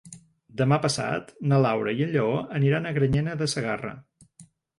Demà passat na Laura i en Lleó aniran a Granyena de Segarra.